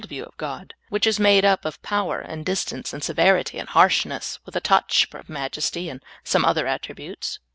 view of God, which is made up of power, and distance, and severit}', and harshness, with a touch of majesty and some other attributes.